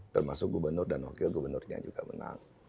termasuk gubernur dan wakil gubernurnya juga menang